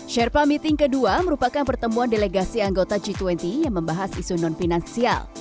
sherpa meeting kedua merupakan pertemuan delegasi anggota g dua puluh yang membahas isu non finansial